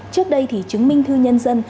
trước đây thì chứng minh thư nhân dân